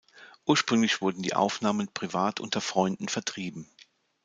Ursprünglich wurden die Aufnahmen privat unter Freunden vertrieben.